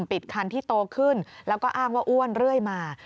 ปิดคันที่โตขึ้นแล้วก็อ้างว่าอ้วนเรื่อยมา